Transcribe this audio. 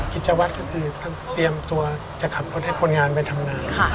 กิจวัตรก็คือเตรียมตัวจะขับรถให้คนงานไปทำงาน